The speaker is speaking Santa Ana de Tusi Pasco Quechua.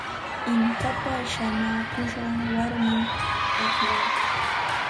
Inkapa shuñakushqan warmim akllaqa.